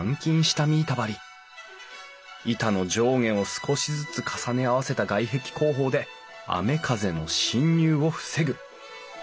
板の上下を少しずつ重ね合わせた外壁工法で雨風の侵入を防ぐ。